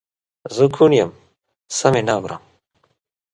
زه کوڼ یم سم یې نه اورم